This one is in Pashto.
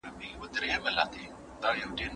که موږ یو بل سره مینه وکړو نو ژوند به رڼا شي.